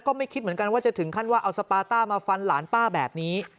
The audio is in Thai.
ไม่คิดเหมือนกันว่าจะถึงขั้นว่าเอาสปาต้ามาฟันหลานป้าแบบนี้